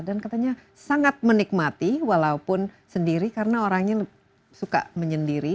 dan katanya sangat menikmati walaupun sendiri karena orangnya suka menyendiri